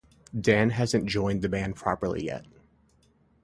Dan hasn't joined the band properly yet.